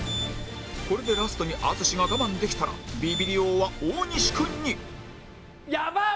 これでラストに淳が我慢できたらビビリ王は大西君に！やばっ！